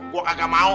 gue kagak mau